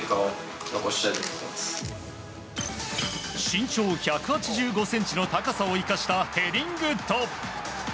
身長１８５ｃｍの高さを生かしたヘディングと。